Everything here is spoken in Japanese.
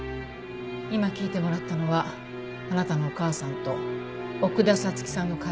今聞いてもらったのはあなたのお母さんと奥田彩月さんの会話よ。